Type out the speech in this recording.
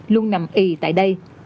luôn nằm y tại đây